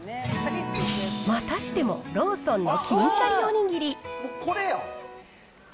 またしてもローソンの金しゃりおにぎり。